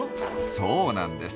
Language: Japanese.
そうなんです。